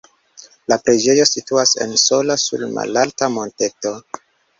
La preĝejo situas en sola sur malalta monteto.